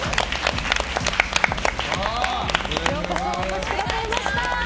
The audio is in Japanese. ようこそお越しくださいました。